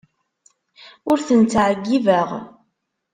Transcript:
Ur ten-ttɛeyyibeɣ.